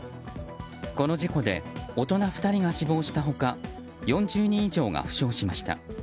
この事故で大人２人が死亡した他４０人以上が負傷しました。